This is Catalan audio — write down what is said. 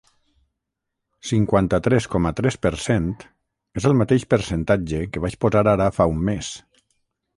Cinquanta-tres coma tres per cent És el mateix percentatge que vaig posar ara fa un mes.